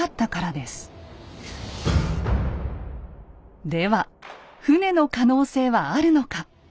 では船の可能性はあるのか。